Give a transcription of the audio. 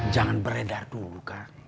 jangan beredar dulu kang